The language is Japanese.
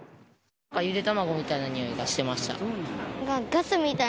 ゆで卵みたいな臭いがしてました。